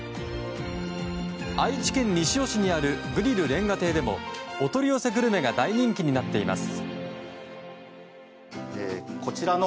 愛知県西尾市にあるグリルれんが亭でもお取り寄せグルメが大人気になっています。